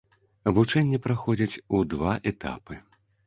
Вучэнні праходзяць у два этапы.